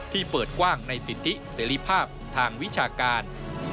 ที่เปิดกว้างในสิทธิเสรีภาพทางวิชาการ